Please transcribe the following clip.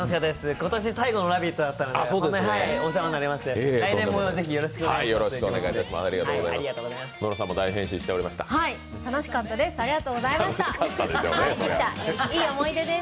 今年最後の「ラヴィット！」でしたので本当にお世話になりまして、来年もぜひよろしくお願いします。